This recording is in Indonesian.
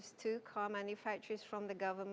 untuk pembuatan kereta dari pemerintah